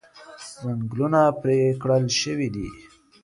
ځنګلونه پرې کړل شوي دي.